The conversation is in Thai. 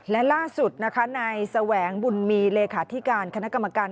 และล่าสุดนะคะนายแสวงบุญมีเลขาธิการคณะกรรมการ